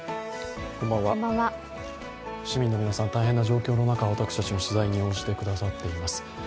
市民の皆さん、大変な状況の中、私たちの取材に応じてくださっています。